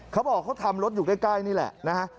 เขาบอกเขาทำรถอยู่ใกล้นี่แหละนะฮะ